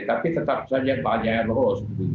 tapi tetap saja banyak yang lolos